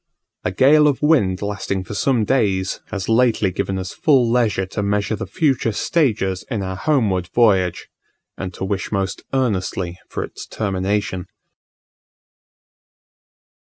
A gale of wind lasting for some days, has lately given us full leisure to measure the future stages in our homeward voyage, and to wish most earnestly for its termination.